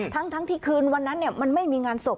ทั้งที่คืนวันนั้นมันไม่มีงานศพ